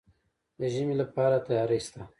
د ژمي لپاره تیاری شته؟